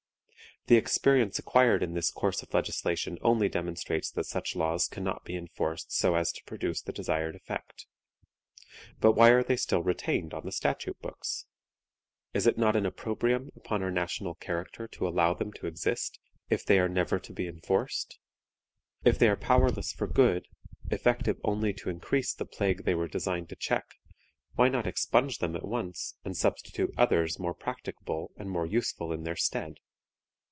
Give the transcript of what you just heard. The experience acquired in this course of legislation only demonstrates that such laws can not be enforced so as to produce the desired effect. But why are they still retained on the statute books? Is it not an opprobrium upon our national character to allow them to exist, if they are never to be enforced? If they are powerless for good, effective only to increase the plague they were designed to check, why not expunge them at once, and substitute others more practicable and more useful in their stead?